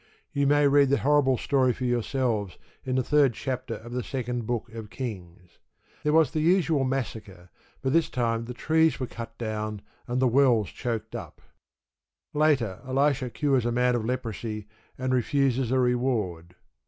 You may read the horrible story for yourselves in the third chapter of the Second Book of Kings. There was the usual massacre, but this time the trees were cut down and the wells choked up. Later, Elisha cures a man of leprosy, and refuses a reward.